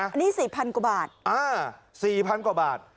อันนี้๔๐๐กว่าบาท๔๐๐กว่าบาท